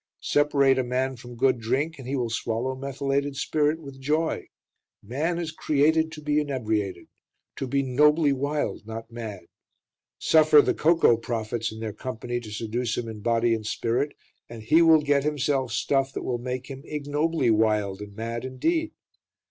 Separate a man from good drink, he will swallow methylated spirit with joy. Man is created to be inebriated; to be "nobly wild, not mad." Suffer the Cocoa Prophets and their company to seduce him in body and spirit, and he will get himself stuff that will make him ignobly wild and mad indeed.